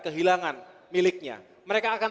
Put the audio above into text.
kehilangan miliknya mereka akan